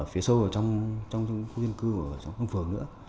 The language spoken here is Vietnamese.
phía sâu trong khu dân cư và trong phường nữa